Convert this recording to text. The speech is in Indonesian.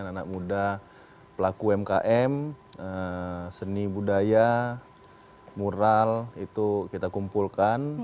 anak muda pelaku umkm seni budaya mural itu kita kumpulkan